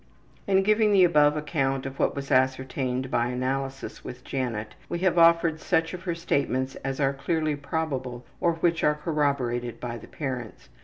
In giving the above account of what was ascertained by analysis with Janet we have offered such of her statements as are clearly probable or which are corroborated by the parents.